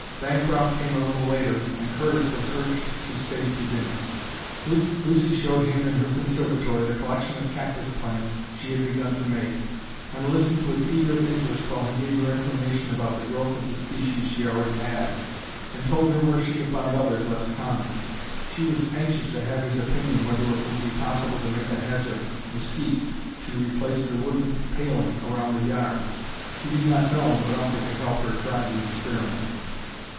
Bancroft came a little later, and Curtis was urged to stay to dinner. Lucy showed him in her conservatory the collection of cactus plants she had begun to make and listened with eager interest while he gave her information about the growth of the species she already had, and told her where she could find others less common. She was anxious to have his opinion whether it would be possible to make a hedge of mesquite to replace the wooden paling around the yard; he did not know, but offered to help her try the experiment.